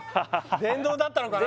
電動だったのかな？